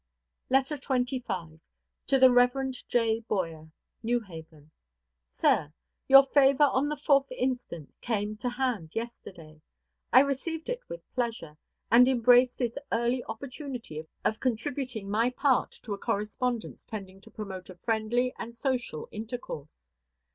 LETTER XXV. TO THE REV. J. BOYER. NEW HAVEN. Sir: Your favor of the 4th instant came to hand yesterday. I received it with pleasure, and embrace this early opportunity of contributing my part to a correspondence tending to promote a friendly and social intercourse.